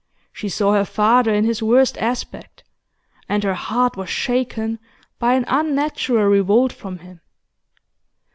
She saw her father in his worst aspect, and her heart was shaken by an unnatural revolt from him.